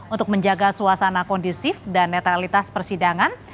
untuk menjaga suasana kondusif dan netralitas persidangan